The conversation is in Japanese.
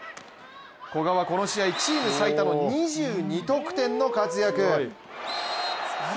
古賀はこの試合、チーム最多の２２得点の活躍。